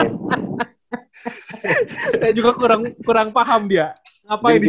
saya juga kurang paham bia ngapain di situ ya